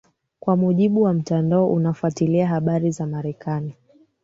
kwa mujibu wa mtandao unafuatilia habari za marekani